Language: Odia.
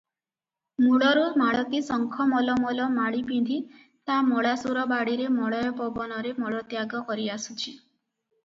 ମୂଳରୁ ମାଳତୀ ଶଙ୍ଖ ମଲ ମଲ ମାଳି ପିନ୍ଧି ତା ମଳାଶୁର ବାଡ଼ିରେ ମଳୟ ପବନରେ ମଳତ୍ୟାଗ କରିଆସୁଛି